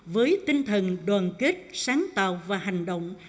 với tinh thần đoàn kết sáng tạo và hành động